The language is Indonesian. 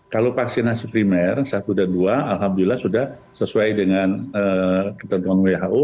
kalau vaksinasi primer satu dan dua alhamdulillah sudah sesuai dengan ketentuan who